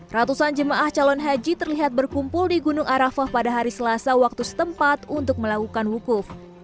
ratusan jemaah calon haji terlihat berkumpul di gunung arafah pada hari selasa waktu setempat untuk melakukan wukuf